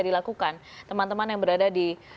dilakukan teman teman yang berada di